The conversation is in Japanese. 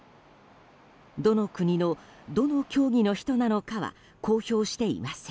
どの国の、どの競技の人なのかは公表していません。